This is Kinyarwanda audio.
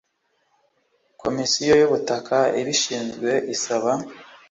Komisiyo y ubutaka ibishinzwe isaba